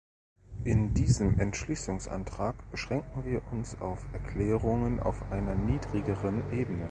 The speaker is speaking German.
In diesem Entschließungsantrag beschränken wir uns auf Erklärungen auf einer niedrigeren Ebene.